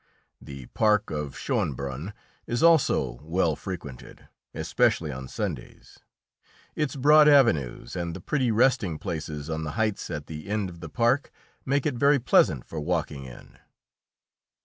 The park of Schoenbrunn is also well frequented, especially on Sundays. Its broad avenues, and the pretty resting places on the heights at the end of the park, make it very pleasant for walking in.